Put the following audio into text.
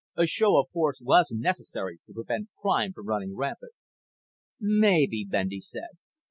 A show of force was necessary to prevent crime from running rampant." "Maybe," Bendy said.